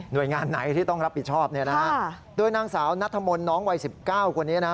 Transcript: โดยงานไหนที่ต้องรับผิดชอบเนี่ยนะฮะโดยนางสาวนัทธมนต์น้องวัย๑๙คนนี้นะฮะ